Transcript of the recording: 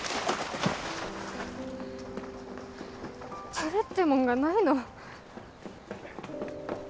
てれってもんがないの？